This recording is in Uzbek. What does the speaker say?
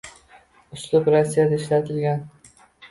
uslub Rossiyada ishlatilgan